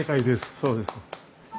そうです。